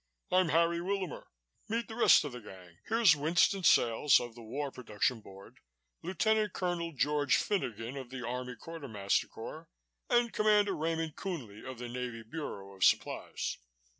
"I'm Harry Willamer. Meet the rest of the gang. Here's Winston Sales of the War Production Board, Lieutenant Colonel George Finogan of the Army Quartermaster Corps and Commander Raymond Coonley of the Navy Bureau of Supplies."